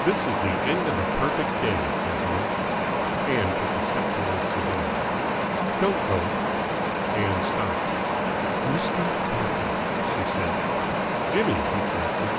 "This is the end of a perfect day!" said Jimmy. Ann took a step towards the door. "Don't go!" Ann stopped. "Mr. Crocker!" she said. "Jimmy," he corrected.